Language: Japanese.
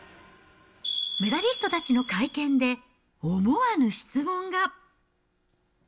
メダリストたちの会見で、思わぬ質問が。